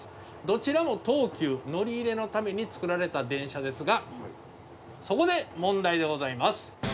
どちらも東急乗り入れのためにつくられた電車ですがそこで問題でございます。